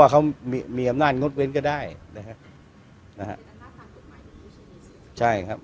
มีการที่จะพยายามติดศิลป์บ่นเจ้าพระงานนะครับ